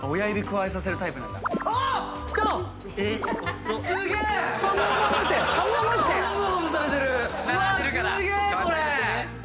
うわすげえこれ！